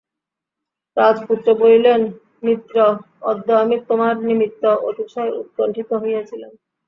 রাজপুত্র বলিলেন, মিত্র, অদ্য আমি তোমার নিমিত্ত অতিশয় উৎকণ্ঠিত হইয়াছিলাম।